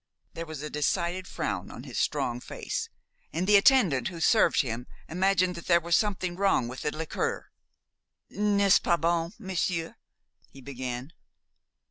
There was a decided frown on his strong face, and the attendant who served him imagined that there was something wrong with the liqueur. "N'est ce pas bon, m'sieur?" he began.